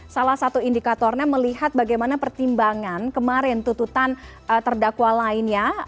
salah satu indikatornya melihat bagaimana pertimbangan kemarin tuntutan terdakwa lainnya